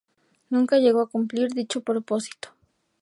Nunca llegó a cumplir dicho propósito.